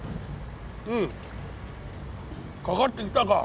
うん。かかってきたか。